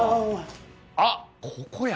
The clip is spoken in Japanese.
あっ、ここや。